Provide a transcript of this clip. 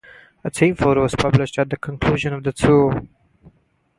A team photo was published at the conclusion of the tour.